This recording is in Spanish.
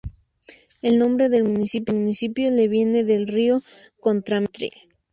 El nombre del municipio le viene del río Contramaestre.